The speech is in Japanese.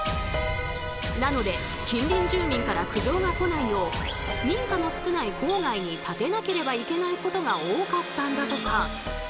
なので近隣住民から苦情が来ないよう民家の少ない郊外に建てなければいけないことが多かったんだとか。